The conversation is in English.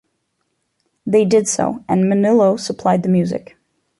They did so, and Manilow supplied the music.